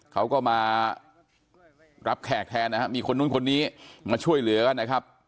เขาก็มารับแขกแทนนะครับมีคนนู้นคนนี้มาช่วยเหลือกันนะครับ